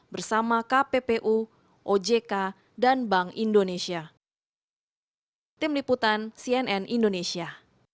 bersama kppu ojk dan bank indonesia